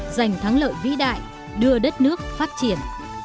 giành thắng lợi vĩ đại đưa đất nước phát triển